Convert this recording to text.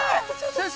先生！